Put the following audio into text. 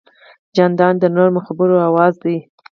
جانداد د نرمو خبرو آواز دی.